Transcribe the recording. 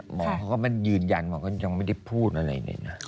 หมอเขาก็ยืนยันหมอก็ยังไม่ได้พูดอะไรเลยนะ